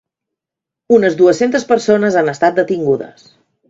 Unes dues-centes persones han estat detingudes.